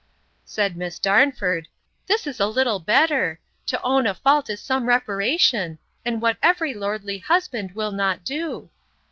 Said Miss Darnford, This is a little better! To own a fault is some reparation; and what every lordly husband will not do.